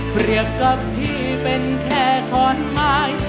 เปรียบกับพี่เป็นแค่คอนไม้